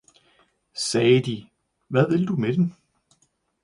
sagde de, hvad vil du med den?